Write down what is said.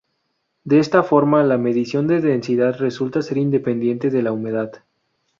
De esta forma, la medición de densidad resulta ser independiente de la humedad.